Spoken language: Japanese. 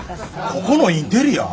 ここのインテリア？